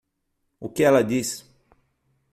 O que ela diz?